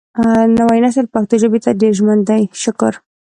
نوی نسل پښتو ژبې ته ډېر ژمن دی شکر